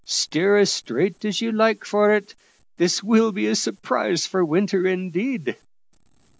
Steer as straight as you like for it. This will be a surprise for Winter, indeed."